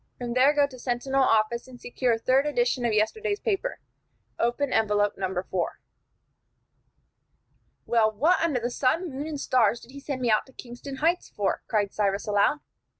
From there go to Sentinel office, and secure third edition of yesterday's paper. Open envelope No. 4." "Well, what under the sun, moon, and stars did he send me out to Kingston Heights for!" cried Cyrus aloud.